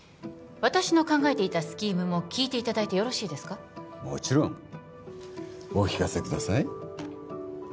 私の考えていたスキームも聞いていただいてよろしいですかもちろんお聞かせください